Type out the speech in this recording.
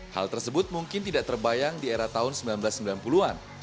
hal tersebut mungkin tidak terbayang di era tahun seribu sembilan ratus sembilan puluh an